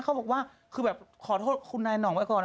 เขาบอกว่าคือแบบขอโทษคุณนายห่องไว้ก่อน